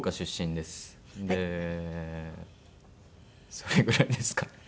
それぐらいですかね。